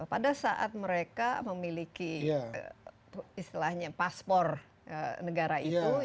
pada saat mereka memiliki istilahnya paspor negara itu